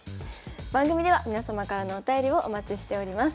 番組では皆様からのお便りをお待ちしております。